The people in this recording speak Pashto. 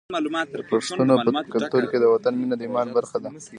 د پښتنو په کلتور کې د وطن مینه د ایمان برخه ده.